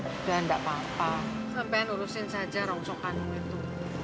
udah gak apa apa sampai urusin saja rongsok kanung itu